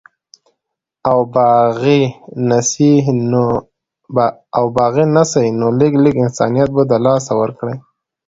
او باغي نسي نو لږ، لږ انسانيت به د لاسه ورکړي